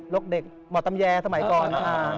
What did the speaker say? รกเด็จเหมาะตำแยสมัยก่อน